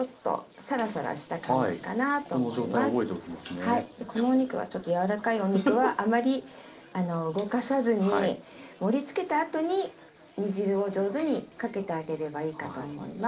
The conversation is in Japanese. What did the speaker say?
はいこのお肉はちょっと柔らかいお肉はあまり動かさずに盛りつけた後に煮汁を上手にかけてあげればいいかと思います。